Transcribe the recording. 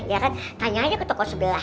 ya kan tanya aja ke toko sebelah